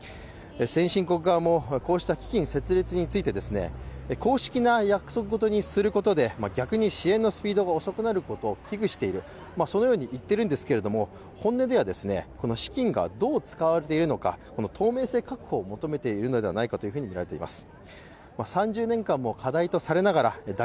先進国側もこうした基金設立について、公式な約束事にすることで、逆に支援のスピードが遅くなることを危惧していると言っていますが本音では資金がどう使われているのか、透明性確保を求めているのではないかとみられいてます。